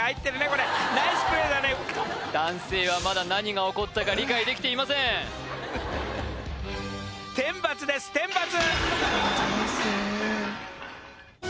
これナイスプレーだね男性はまだ何が起こったか理解できていません天罰です天罰！